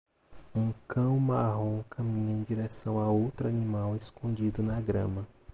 Um cão marrom caminha em direção a outro animal escondido na grama.